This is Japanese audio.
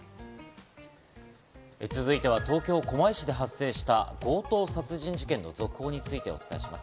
続いては東京・狛江市で発生した強盗殺人事件の続報についてお伝えします。